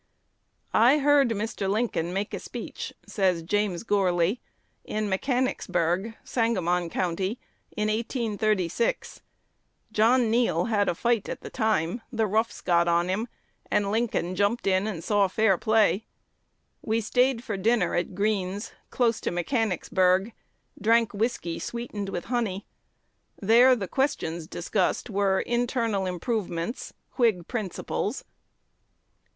"I heard Lincoln make a speech," says James Gourly, "in Mechanicsburg, Sangamon County, in 1836. John Neal had a fight at the time: the roughs got on him, and Lincoln jumped in and saw fair play. We staid for dinner at Green's, close to Mechanicsburg, drank whiskey sweetened with honey. There the questions discussed were internal improvements, Whig principles."